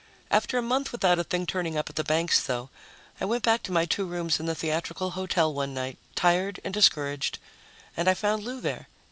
After a month without a thing turning up at the banks, though, I went back to my two rooms in the theatrical hotel one night, tired and discouraged, and I found Lou there.